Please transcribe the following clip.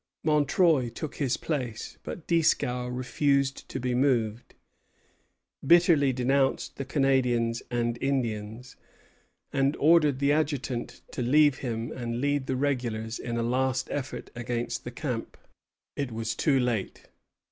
Montreuil took his place; but Dieskau refused to be moved, bitterly denounced the Canadians and Indians, and ordered the Adjutant to leave him and lead the regulars in a last effort against the camp. It was too late.